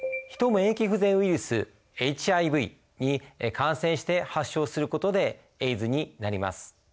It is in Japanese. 免疫不全ウイルスＨＩＶに感染して発症することでＡＩＤＳになります。